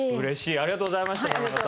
ありがとうございました田中さん。